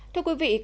thưa quý vị